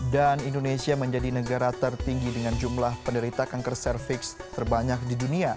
dan indonesia menjadi negara tertinggi dengan jumlah penderita kanker cervix terbanyak di dunia